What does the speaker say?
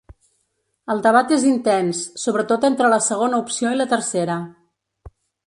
El debat és intens, sobretot entre la segona opció i la tercera.